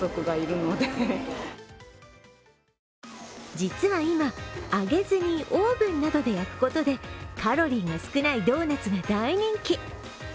実は今、揚げずにオーブンなどで焼くことでカロリーが少ないドーナツが大人気。